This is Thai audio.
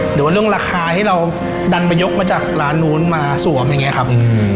หรือว่าเรื่องราคาที่เราดันไปยกมาจากร้านนู้นมาสวมอย่างนี้ครับ